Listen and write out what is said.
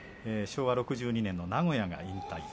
昭和６２年の名古屋が引退。